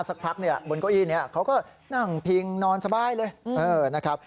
สักพักเนี่ยบนเก้าอี้นี้เขาก็นั่งพิงนอนสบายเลยนะครับ